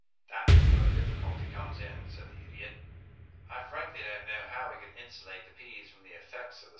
"That is where the difficulty comes in," said the Idiot. "I frankly don't know how we could insulate the peas from the effects of the saltpetre."